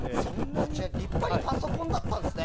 立派にパソコンだったんですね